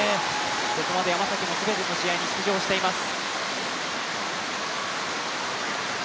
ここまで山崎も全ての試合に出場しています。